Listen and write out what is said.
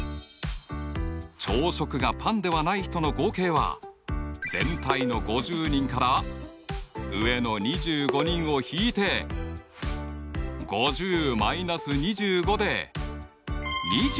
朝食がパンではない人の合計は全体の５０人から上の２５人を引いて５０−２５で２５人。